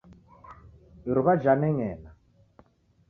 Iruw'a janeng'ena.